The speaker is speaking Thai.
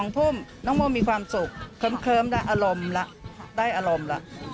๒พุ่มน้องโมมีความสุขเคิมได้อารมณ์ละ